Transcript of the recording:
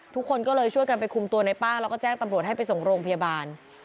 ทุกคนก็เลยช่วยกันไปคุมตัวในป้างแล้วก็แจ้งตำรวจให้ไปส่งโรงพยาบาล